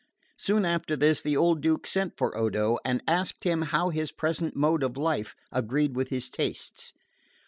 Soon after this the old Duke sent for Odo, and asked him how his present mode of life agreed with his tastes.